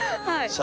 はい。